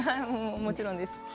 もちろんです。